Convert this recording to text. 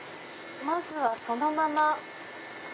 「まずはそのまま」。